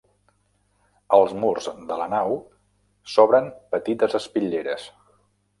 Als murs de la nau s'obren petites espitlleres.